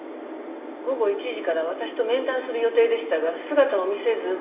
午後１時から私と面談する予定でしたが姿を見せず。